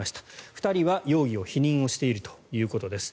２人は容疑を否認しているということです。